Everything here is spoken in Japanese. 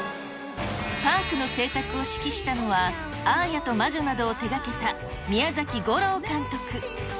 パークの制作を指揮したのは、アーヤと魔女などを手がけた、宮崎吾朗監督。